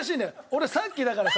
俺さっきだからさ